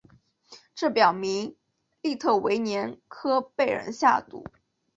这表明利特维年科被人下毒。